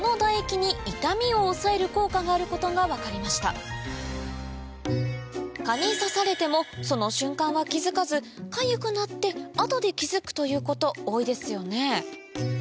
続いては蚊に刺されてもその瞬間は気付かずかゆくなって後で気付くということ多いですよね？